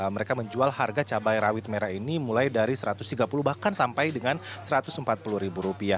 mereka menjual harga cabai rawit merah ini mulai dari rp satu ratus tiga puluh bahkan sampai dengan rp satu ratus empat puluh